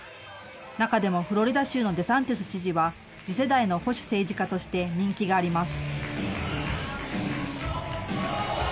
中でもフロリダ州のデサンティス知事は、次世代の保守政治家として人気があります。